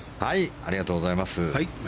ありがとうございます。